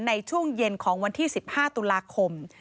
ในช่วงเย็นของวันที่๑๕ตุลาคม